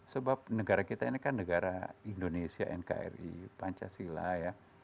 sebab negara kita ini kan negara indonesia nkri pancasila ya